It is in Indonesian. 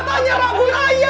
kamu matanya ragu raya